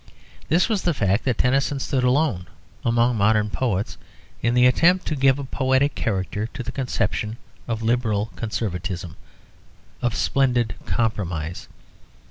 This was the fact that Tennyson stood alone among modern poets in the attempt to give a poetic character to the conception of Liberal Conservatism, of splendid compromise.